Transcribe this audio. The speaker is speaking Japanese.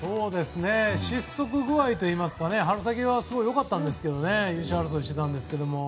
失速具合といいますか春先はすごく良かったんですけど優勝争いしてたんですけど。